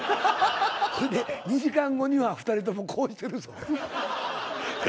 ほいで２時間後には２人ともこうしてるぞ。